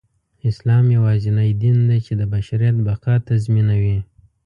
اسلام يواځينى دين دى، چې د بشریت بقاﺀ تضمينوي.